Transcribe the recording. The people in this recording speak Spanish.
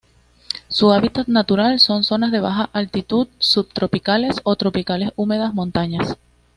Su hábitat natural son: zonas de baja altitud subtropicales o tropicales húmedas montañas,